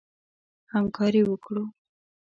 همکاري وکړو.